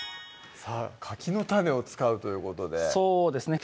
かきの種を使うということでそうですね